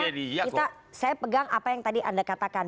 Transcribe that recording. kita saya pegang apa yang tadi anda katakan